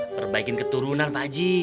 perbaikin keturunan pakji